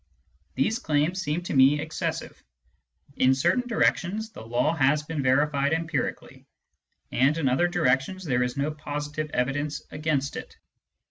These claims seem to me excessive. In certain directions the law has been verified empirically, and in other direc tions there is no positive evidence against it.